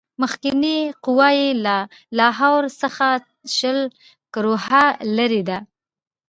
مخکنۍ قوه یې له لاهور څخه شل کروهه لیري ده.